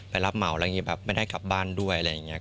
ไปรับเหมาแล้วไม่ได้กลับบ้านด้วย